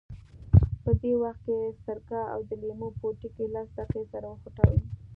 په دې وخت کې سرکه او د لیمو پوټکي لس دقیقې سره وخوټوئ.